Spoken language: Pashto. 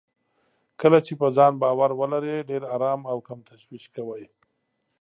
کله چې په ځان باور ولرئ، ډېر ارام او کم تشويش کوئ.